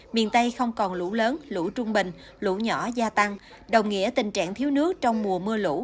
miền tây không còn lũ lớn lũ trung bình lũ nhỏ gia tăng đồng nghĩa tình trạng thiếu nước trong mùa mưa lũ